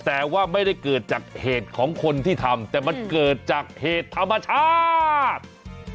แต่ว่าไม่ได้เกิดจากเหตุของคนที่ทำแต่มันเกิดจากเหตุธรรมชาติ